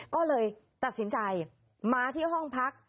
ก็เลยตัดสินใจมาที่ห้องพัก